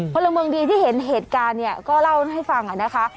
เพราะหลังวงดีที่เห็นเหตุการณ์เนี่ยก็เล่าให้ฟังค่ะนะคะ